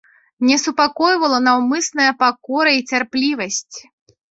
Не супакойвала наўмысная пакора і цярплівасць.